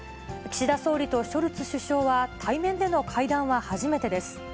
岸田総理とショルツ首相は、対面での会談は初めてです。